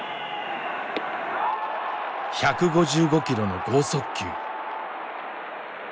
１５５キロの豪速球。